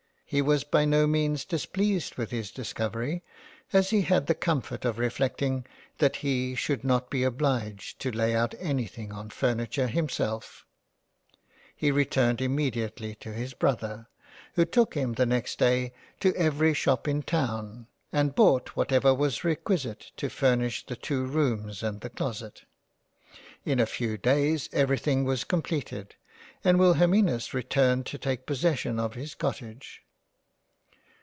He was by no means displeased with this discovery, as he had the comfort of reflecting that he should not be obliged to lay out anything on furniture himself —. He returned immediately to his Brother, who took him the next day to every Shop in Town, and bought what ever was requisite to furnish the two rooms and the Closet, In a few days everything was completed, and Wilhelminus returned to take possession of his Cottage.